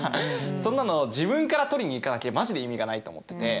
そんなの自分から取りに行かなきゃマジで意味がないと思ってて。